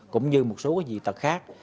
cũng như một số dị tật khác